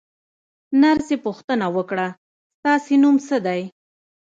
نرسې پوښتنه وکړه: ستاسې نوم څه دی؟